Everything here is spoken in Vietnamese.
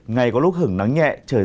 ngày có lúc hứng nắng nhẹ trời rét